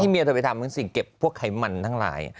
เมียเธอไปทำทั้งสิ่งเก็บพวกไขมันทั้งหลาย